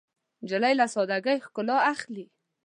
نجلۍ له سادګۍ ښکلا اخلي.